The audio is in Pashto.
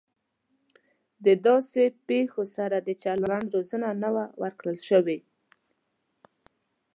د داسې پیښو سره د چلند روزنه نه وه ورکړل شوې